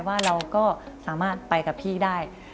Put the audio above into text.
ว่าเราก็สามารถไปกับพี่ได้